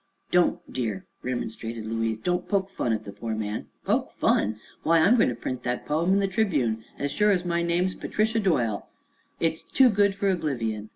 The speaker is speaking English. "Don't, dear," remonstrated Louise; "don't poke fun at the poor man." "Poke fun? Why, I'm going to print that poem in the Tribune, as sure as my name's Patricia Doyle! It's too good for oblivion."